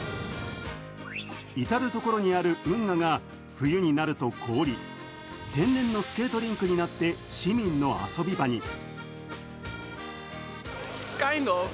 至る所にある運河が冬になると凍り、天然のスケートリンクになって市民の遊び場に。